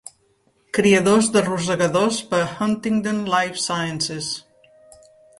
Criadors de rosegadors per a Huntingdon Life Sciences.